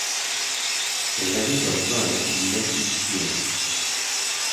غهريبه بزانه عیللهتی چییە